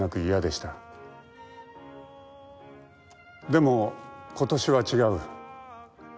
でも今年は違う。